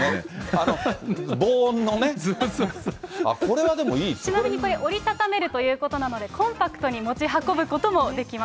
あっ、ちなみにこれ、折り畳めるということなので、コンパクトに持ち運ぶこともできます。